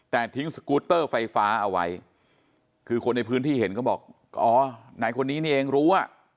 แต่ทิ้งสกูตเตอร์ไฟฟ้าเอาไว้คือคนในพื้นที่เห็นก็บอกอ๋อนายคนนี้นี่เองรู้อ่ะ